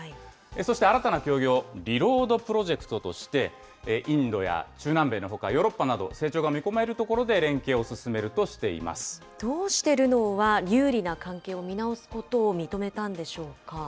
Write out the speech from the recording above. そして新たな協業、リロードプロジェクトとして、インドや中南米のほか、ヨーロッパなど成長が見込まれるところで連携を進めるとどうしてルノーは、有利な関係を見直すことを認めたんでしょうか。